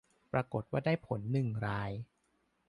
ปรากฏว่าได้ผลหนึ่งราย